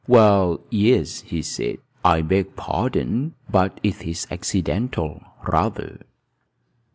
"Well, yes," he said. "I beg pardon, but it is accidental, rather."